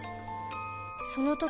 その時